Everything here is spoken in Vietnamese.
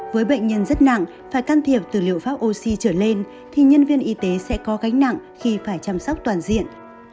với bệnh nhân rất nặng phải can thiệp từ liệu pháp oxy trở lên thì nhân viên y tế sẽ có gánh nặng khi phải chăm sóc toàn diện